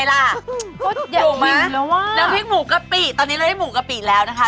อยากหิวแล้วว่ะน้ำพริกหมูกะปิตอนนี้เราได้หมูกะปิแล้วนะคะค่ะ